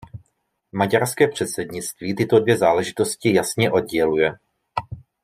Maďarské předsednictví tyto dvě záležitosti jasně odděluje.